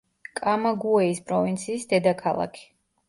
კამაგუეის პროვინციის დედაქალაქი.